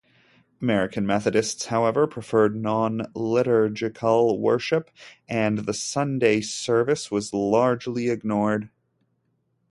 American Methodists, however, preferred non-liturgical worship and "The Sunday Service" was largely ignored.